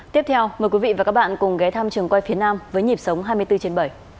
tiếp theo mời quý vị và các bạn cùng ghé thăm trường quay phía nam với nhịp sống hai mươi bốn trên bảy